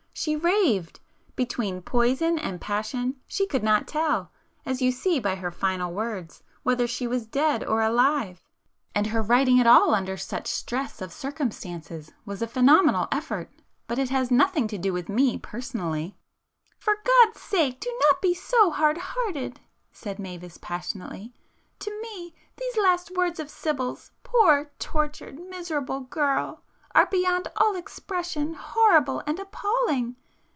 She raved,—between poison and passion, she could not tell, as you see by her final words, whether she was dead or alive,—and her writing at all under such stress of circumstances was a phenomenal effort,—but it has nothing to do with me personally." "For God's sake do not be so hard hearted!"—said Mavis passionately—"To me these last words of Sibyl's,—poor, tortured, miserable girl!—are beyond all expression horrible and appalling.